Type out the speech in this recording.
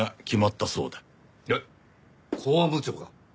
えっ公安部長が？